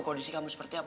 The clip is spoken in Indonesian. kondisi kamu seperti apa